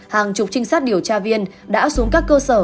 hàng chục trinh sát điều tra viên đã xuống các cơ sở